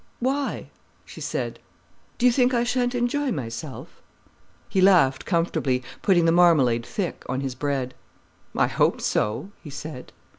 "Why?" she said. "Do you think I shan't enjoy myself?" He laughed comfortably, putting the marmalade thick on his bread. "I hope so," he said.